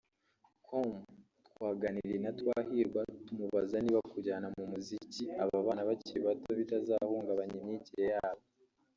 com twaganiriye na Twahirwa tumubaza niba kujyana mu muziki aba bana bakiri bato bitazahungabanya imyigire yabo